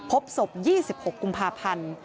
พบศพ๒๖กุมภาพันธ์